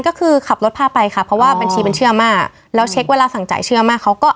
อ๋อก็คือทำธุรกรรมแทน